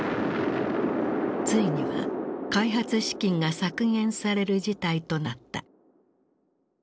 ついには開発資金が削減される事態となった。